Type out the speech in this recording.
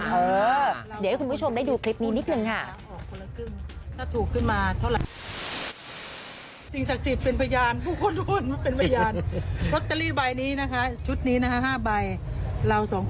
เดี๋ยวให้คุณผู้ชมได้ดูคลิปนี้นิดหนึ่งค่ะ